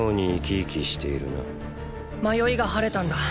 迷いが晴れたんだ。